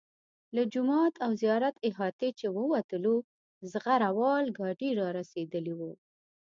له جومات او زیارت احاطې چې ووتلو زغره وال ګاډي را رسېدلي وو.